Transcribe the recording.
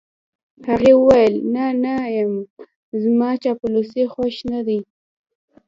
هغې وویل: نه، نه یم، زما چاپلوسۍ خوښې نه دي.